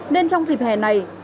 nên trong dịp hè này